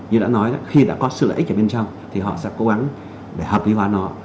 như đã nói khi đã có sự lợi ích ở bên trong thì họ sẽ cố gắng để hợp lý hóa nó